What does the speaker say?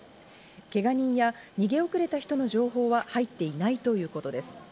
けが人や逃げ遅れた人の情報は入っていないということです。